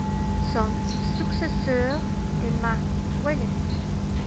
Son successeur est Marc Ouellet.